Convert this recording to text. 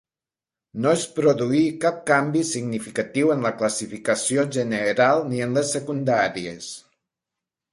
No es produí cap canvi significatiu en la classificació general ni en les secundàries.